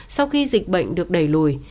sau khi dịch bệnh được đẩy lùi